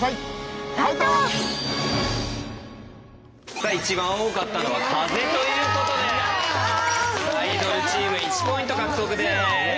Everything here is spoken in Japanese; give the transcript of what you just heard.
さあ一番多かったのは「風」ということでアイドルチーム１ポイント獲得です。